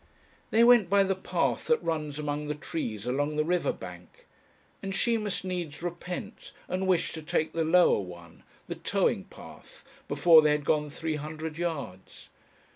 They went by the path that runs among the trees along the river bank, and she must needs repent and wish to take the lower one, the towing path, before they had gone three hundred yards.